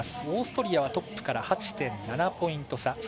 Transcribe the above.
オーストリアはトップから８．７ポイント差。